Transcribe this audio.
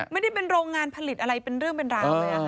ไม่ได้เป็นโรงงานผลิตอะไรเป็นเรื่องเป็นราวเลย